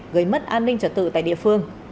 gây mất an ninh trật tự tại địa phương